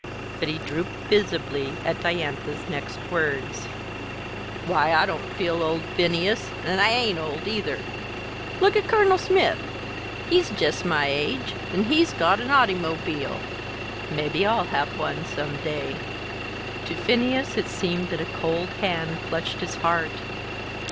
But he drooped visibly at Diantha's next words. "Why, I don't feel old, Phineas, an' I ain't old, either. Look at Colonel Smith; he's jest my age, an' he's got a autymobile. Mebbe I'll have one some day." To Phineas it seemed that a cold hand clutched his heart.